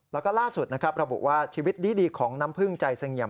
แล้วก็ล่าสุดนะครับระบุว่าชีวิตดีของน้ำพึ่งใจเสงี่ยม